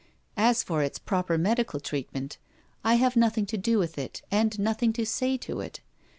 As for its proper medical treatment, I have nothing to do with it and nothing to say to it.